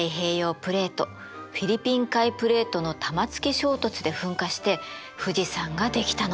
プレートフィリピン海プレートの玉突き衝突で噴火して富士山ができたの。